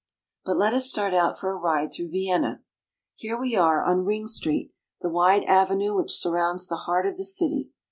But let us start out for a ride through Vienna. Here we are on Ring Street, the wide avenue which surrounds the heart of the city.